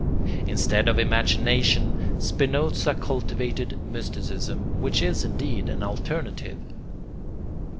Instead of imagination Spinoza cultivated mysticism, which is indeed an alternative.